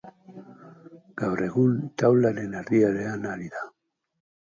Gaur egun taularen erdialdean ari da.